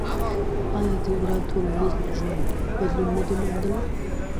آیا د ایران ټولنیز ژوند بدلون نه دی موندلی؟